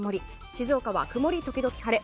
静岡は曇り時々晴れ。